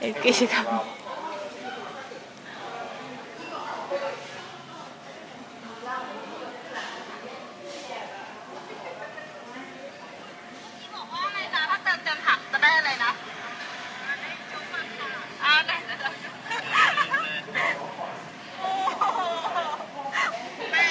เมื่อกี้บอกว่าไงจ๊ะถ้าเจอผักจะได้อะไรนะ